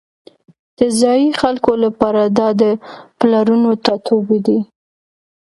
د ځایی خلکو لپاره دا د پلرونو ټاټوبی دی